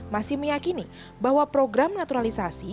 masih meyakini bahwa program naturalisasi